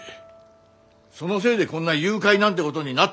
そのせいでこんな誘拐なんてことになったんですよ。